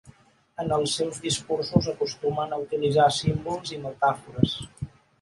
En els seus discursos acostumen a utilitzar símbols i metàfores.